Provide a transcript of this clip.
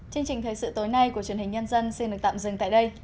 chương trình thời sự tối nay của truyền hình nhân dân xin được tạm dừng tại đây